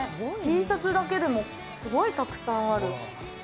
Ｔシャツだけでもすごいたくさんある。